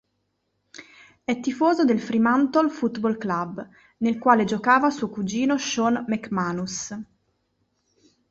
È tifoso del Fremantle Football Club, nel quale giocava suo cugino Shaun McManus.